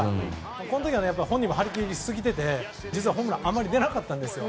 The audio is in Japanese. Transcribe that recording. この時は本人も張り切りすぎててホームランがあまり出なかったんですよ。